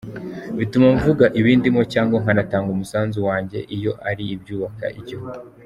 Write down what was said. Bituma mvuga ibindimo cyangwa nkanatanga umusanzu wanjye iyo ari ibyubaka igihugu.